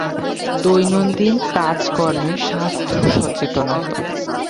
দৈনন্দিন কাজ কর্মে স্বাস্থ্য সচেতনতা।